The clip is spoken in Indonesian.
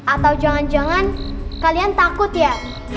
atau jangan jangan kalian takut ya